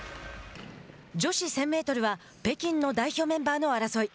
女子１０００メートルは北京の代表メンバーの争い。